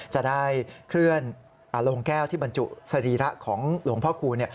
จะได้เคลื่อนโรงแก้วที่บรรจุสรีระของหลวงพ่อคูณ